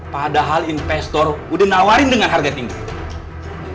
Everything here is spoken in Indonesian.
padahal investor udah nawarin dengan harga tinggi